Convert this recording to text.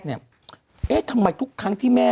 คุณหนุ่มกัญชัยได้เล่าใหญ่ใจความไปสักส่วนใหญ่แล้ว